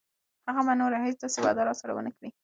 هغه به نوره هیڅ داسې وعده راسره ونه کړي.